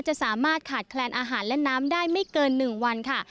จะสามารถขาดแคลนอาหารและน้ำได้ไม่เกิน๑วันค่ะ